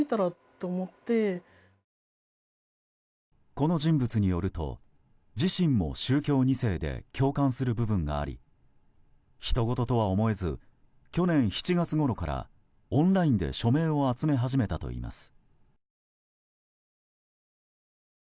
この人物によると自身も宗教２世で共感する部分がありひとごととは思えず去年７月ごろからオンラインで署名を集め始めたといいます。